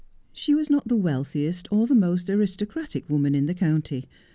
She was not the wealthiest or the most aristocratic woman in the county.